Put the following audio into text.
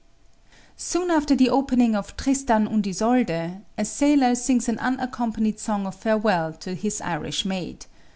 Soon after the opening of "Tristan und Isolde" a sailor sings an unaccompanied song of farewell to his Irish Maid.